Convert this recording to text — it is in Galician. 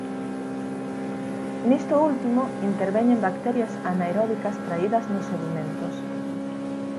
Nisto último interveñen bacterias anaeróbicas traídas nos sedimentos.